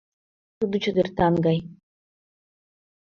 Тудо чадыртан гай.